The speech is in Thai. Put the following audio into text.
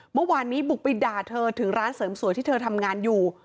เมื่อวานนี้บุกไปด่าเธอถึงร้านเสริมสวยที่เธอทำงานอยู่